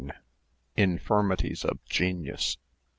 INFIRMITIES OF GENIUS.